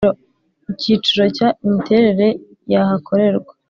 Icyiciro cya imiterere y ahakorerwa